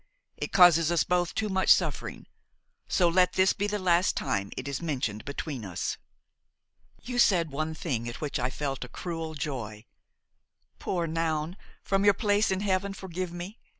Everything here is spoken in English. It causes us both too much suffering: so let this be the last time it is mentioned between us. "You said one thing at which I felt a cruel joy. Poor Noun! from your place in heaven forgive me!